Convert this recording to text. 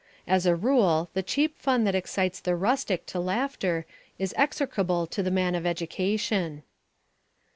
As a rule the cheap fun that excites the rustic to laughter is execrable to the man of education.